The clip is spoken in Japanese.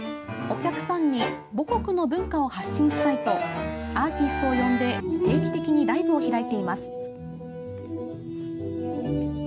お客さんに母国の文化を発信したいとアーティストを呼んで定期的にライブを開いています。